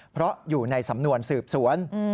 เพราะอยู่ในสำนวนสืบสวน